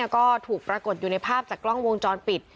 ก็ถูกปรากฏอยู่ในภาพจากกล้องวงจรปิด